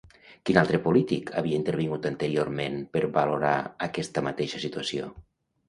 Quin altre polític havia intervingut anteriorment per valorar aquesta mateixa situació?